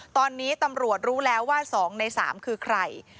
ตอนนี้ตำรวจรู้แล้วว่า๒ใน๓คือใคร